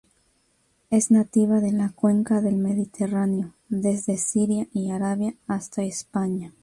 Es nativa de la cuenca del Mediterráneo, desde Siria y Arabia hasta España.